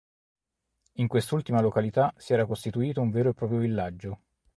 In quest'ultima località si era costituito un vero e proprio villaggio.